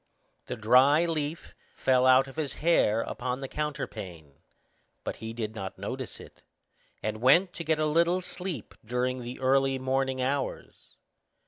The dry leaf fell out of his hair upon the counterpane; but he did not notice it, and went to get a little sleep during the early morning hours.